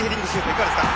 いかがですか？